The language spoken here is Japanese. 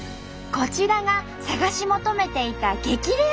こちらが探し求めていた激レア食材。